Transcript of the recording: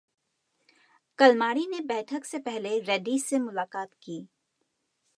कलमाड़ी ने बैठक से पहले रेड्डी से मुलाकात की